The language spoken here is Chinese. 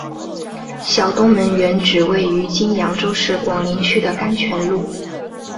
小东门原址位于今扬州市广陵区的甘泉路。